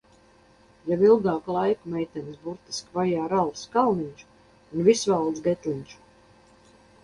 Jau ilgāku laiku meitenes burtiski vajā Ralfs Kalniņš un Visvaldis Getliņš.